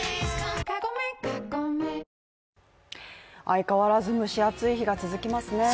相変わらず蒸し暑い日が続きますね。